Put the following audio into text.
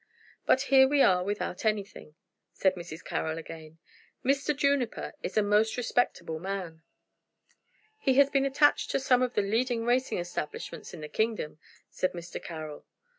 "But here we are without anything," said Mrs. Carroll again. "Mr. Juniper is a most respectable man." "He has been attached to some of the leading racing establishments in the kingdom," said Mr. Carroll.